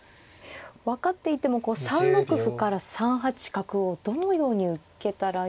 分かっていても３六歩から３八角をどのように受けたらよいのかが。